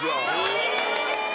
え！